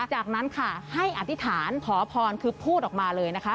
จากนั้นค่ะให้อธิษฐานขอพรคือพูดออกมาเลยนะคะ